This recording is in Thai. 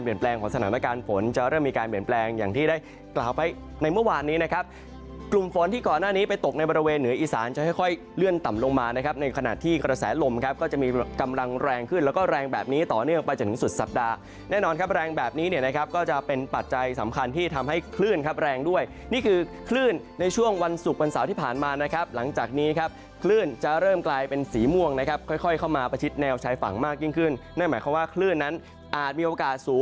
เปลี่ยนแปลงของสถานการณ์ฝนจะเริ่มมีการเปลี่ยนแปลงอย่างที่ได้กราบให้ในเมื่อวานนี้นะครับกลุ่มฝนที่ก่อนหน้านี้ไปตกในบริเวณเหนืออีสานจะค่อยเลื่อนต่ำลงมานะครับในขณะที่กระแสลมนะครับก็จะมีกำลังแรงขึ้นแล้วก็แรงแบบนี้ต่อเนื่องไปจนสุดสัปดาห์แน่นอนครับแรงแบบนี้เนี่ยนะครับก็จะเป็นปัจจัยส